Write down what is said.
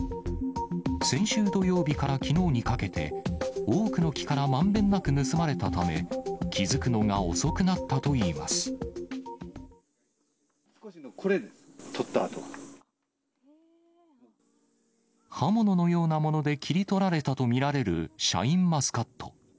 先週土曜日からきのうにかけて、多くの木からまんべんなく盗まれたため、気付くのが遅くなったとこれ、刃物のようなもので切り取られたと見られるシャインマスカット。